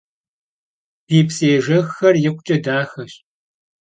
Di psıêjjexxer yikhuç'e daxeş.